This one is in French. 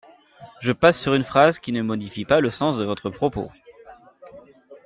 Je passe sur une phrase qui ne modifie pas le sens de votre propos.